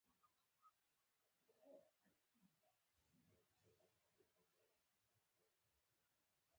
خور د ښو اخلاقو درلودونکې ده.